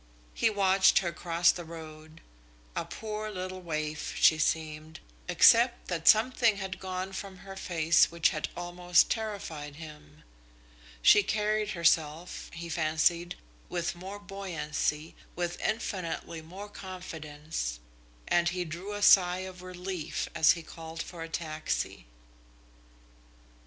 He watched her cross the road. A poor little waif, she seemed, except that something had gone from her face which had almost terrified him. She carried herself, he fancied, with more buoyancy, with infinitely more confidence, and he drew a sigh of relief as he called for a taxi.